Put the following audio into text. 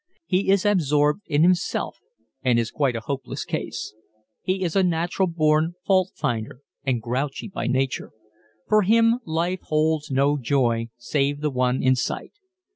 He is absorbed in himself and is quite a hopeless case. He is a natural born faultfinder and grouchy by nature. For him life holds no joy save the one in sight.